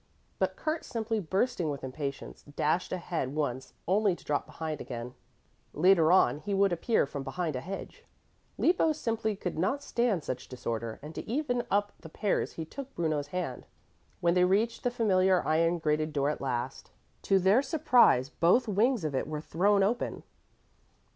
But Kurt, simply bursting with impatience, dashed ahead once, only to drop behind again; later on he would appear from behind a hedge. Lippo simply could not stand such disorder, and to even up the pairs he took Bruno's hand. When they reached the familiar iron grated door at last, to their surprise both wings of it were thrown open.